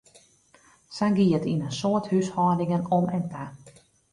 Sa gie it yn in soad húshâldingen om en ta.